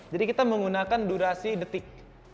jadi kita menggunakan durasi detik